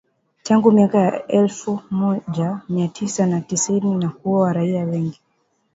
tangu miaka ya elfu moja mia tisa na tisini na kuua raia wengi